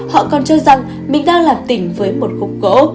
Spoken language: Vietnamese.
họ còn cho rằng mình đang làm tỉnh với một khúc gỗ